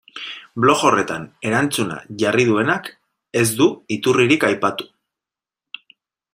Blog horretan erantzuna jarri duenak ez du iturririk aipatu.